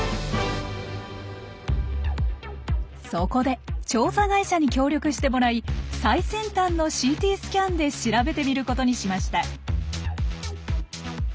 そこで調査会社に協力してもらい最先端のＣＴスキャンで調べてみることにしました。